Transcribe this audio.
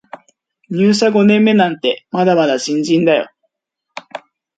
入社五年目なんてまだまだ新人だよ